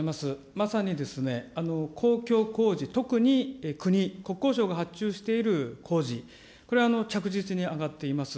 まさにですね、公共工事、特に国、国交省が発注している工事、これ、着実に上がっています。